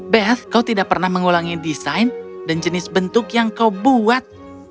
best kau tidak pernah mengulangi desain dan jenis bentuk yang kau buat